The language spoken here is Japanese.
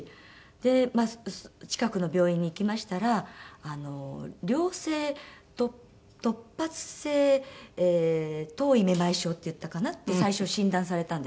で近くの病院に行きましたら良性突発性頭位めまい症っていったかな。って最初診断されたんです。